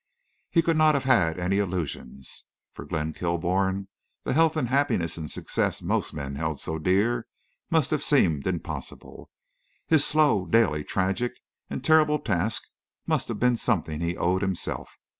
He could not have had any illusions. For Glenn Kilbourne the health and happiness and success most men held so dear must have seemed impossible. His slow, daily, tragic, and terrible task must have been something he owed himself.